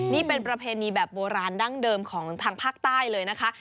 นี่เป็นประเพณีแบบโบราณดั้งเดิมของทางภาคใต้เลยนะคะ